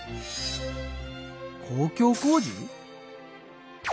公共工事？